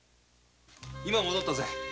今戻ったぜ。